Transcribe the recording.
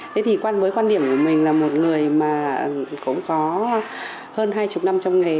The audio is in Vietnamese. thế thì với quan điểm của mình là một người mà cũng có hơn hai mươi năm trong nghề